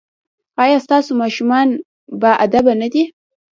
ایا ستاسو ماشومان باادبه نه دي؟